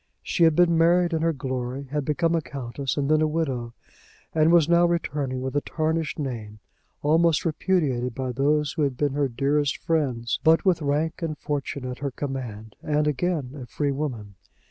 She had been married in her glory, had become a countess, and then a widow, and was now returning with a tarnished name, almost repudiated by those who had been her dearest friends; but with rank and fortune at her command, and again a free woman.